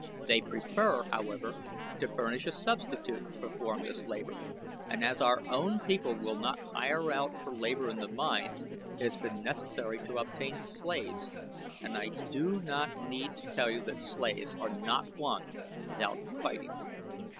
They prefer however, to furnish a substitute to perform this labor, and as our own people will not hire out for labor in the mines it has been necessary to obtain slaves, and I do not need to tell you that slaves are not won without fighting.